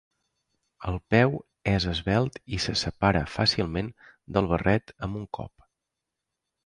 El peu és esvelt i se separa fàcilment del barret amb un cop.